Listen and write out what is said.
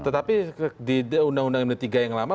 tetapi di undang undang md tiga yang lama